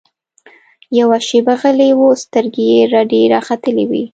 يوه شېبه غلى و سترګې يې رډې راختلې وې.